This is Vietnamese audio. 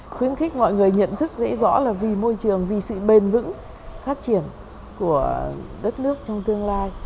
khuyến khích mọi người nhận thức dễ rõ là vì môi trường vì sự bền vững phát triển của đất nước trong tương lai